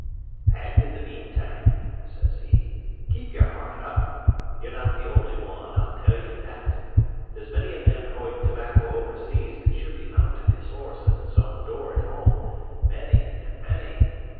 "And in the meantime," says he, "keep your heart up. You're not the only one, I'll tell you that. There's many a man hoeing tobacco over seas that should be mounting his horse at his own door at home; many and many!